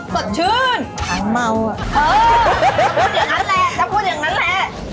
สดชื่นอ๋อจะพูดอย่างงั้นแหละจะพูดอย่างงั้นแหละ